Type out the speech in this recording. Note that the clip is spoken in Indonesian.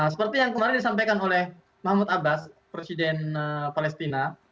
seperti yang kemarin disampaikan oleh mahmud abbas presiden palestina